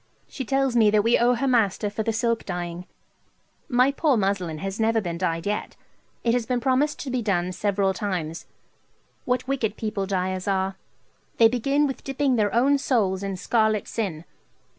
She tells me that we owe her master for the silk dyeing. My poor old muslin has never been dyed yet. It has been promised to be done several times. What wicked people dyers are. They begin with dipping their own souls in scarlet sin.